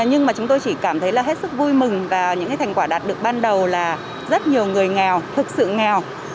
nhưng mà chúng tôi chỉ cảm thấy là hết sức vui mừng và những thành quả đạt được ban đầu là rất nhiều người nghèo thực sự nghèo